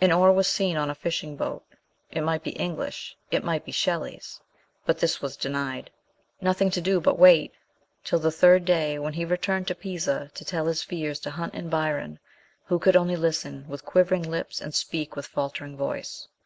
An oar was seen on a fishing boat : it might be English it might be Shelley's ; but this was denied. Nothing to do but wait, till the third day, when he returned to Pisa to tell his fears to Hunt and Byron, who could only listen with quivering lips and speak with faltering voice.